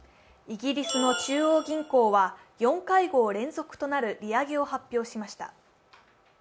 イギリスの中央銀行は、４会合連続となる利上げを発表しました。